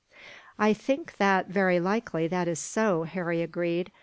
"I think that, very likely, that is so," Harry agreed.